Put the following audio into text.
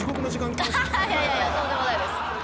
いやいやとんでもないです。